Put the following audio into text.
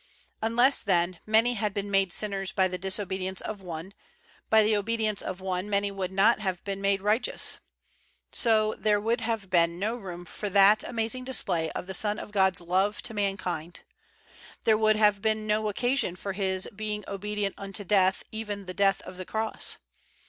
Unless, then, many had been made sinners by the disobedience of one, by the obedience of one many would not have been made righteous. So there would have been no room for that ama zing display of the Son of God 's love to mankind. There would have been no occasion for His "be ing obedient unto death, even the death of the cross."